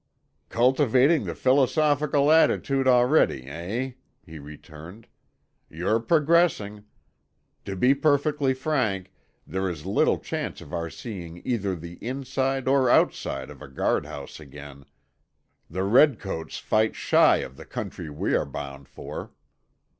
"Cultivating the philosophical attitude already, eh?" he returned. "You're progressing. To be perfectly frank, there is little chance of our seeing either the inside or outside of a guardhouse again. The redcoats fight shy of the country we are bound for."